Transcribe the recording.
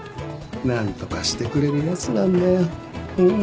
なんとかしてくれるやつなんだようん